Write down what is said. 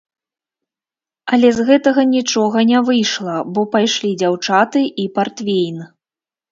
Але з гэтага нічога не выйшла, бо пайшлі дзяўчаты і партвейн.